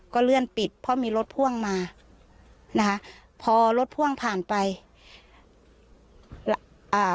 เลื่อนปิดเพราะมีรถพ่วงมานะคะพอรถพ่วงผ่านไปอ่า